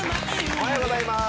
おはようございます。